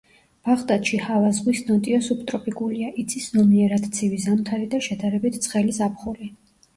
ბაღდათში ჰავა ზღვის ნოტიო სუბტროპიკულია, იცის ზომიერად ცივი ზამთარი და შედარებით ცხელი ზაფხული.